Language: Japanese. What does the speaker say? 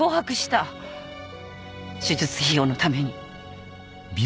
手術費用のために。